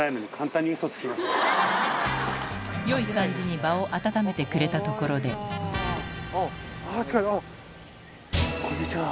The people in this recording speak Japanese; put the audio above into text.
よい感じに場を温めてくれたところでこんにちは。